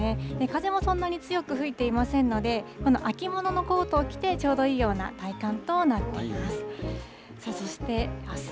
風もそんなに強く吹いていませんので、この秋物のコートを着てちょうどいいような体感となっています。